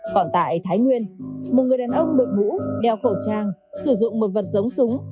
còn tại thái nguyên một người đàn ông đội ngũ đeo khẩu trang sử dụng một vật giống súng